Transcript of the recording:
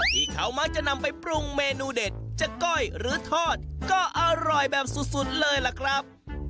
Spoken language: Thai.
ที่เขามักจะนำไปปรุงเมนูเด็ดจากก้อยหรือทอดก็อร่อยแบบสุดเลยล่ะครับ